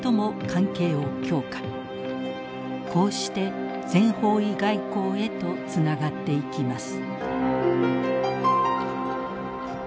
こうして全方位外交へとつながっていきます。